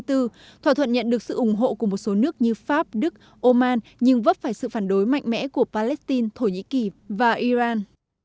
thỏa thuận nhận được sự ủng hộ của một số nước như pháp đức oman nhưng vấp phải sự phản đối mạnh mẽ của palestine thổ nhĩ kỳ và iran